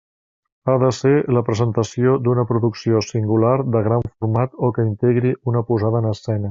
Ha de ser la presentació d'una producció singular de gran format o que integri una posada en escena.